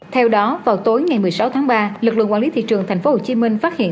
theo đó vào tối ngày một mươi sáu tháng ba lực lượng quản lý thị trường tp hcm phát hiện